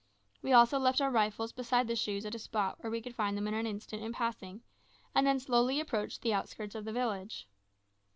We also left our rifles beside the shoes at a spot where we could find them in an instant in passing, and then slowly approached the outskirts of the village.